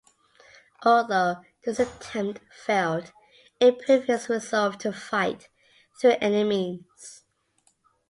Although this attempt failed, it proved his resolve to fight through any means.